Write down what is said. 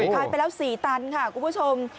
ขายไปแล้ว๔ตันค่ะคุณผู้ชม